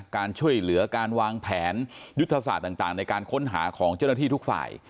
การช่วยเหลือการวางแผนยุทธศาสตร์ต่างในการค้นหาของเจ้าหน้าที่ทุกฝ่าย